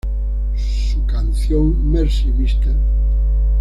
Su canción "Mercy Mr.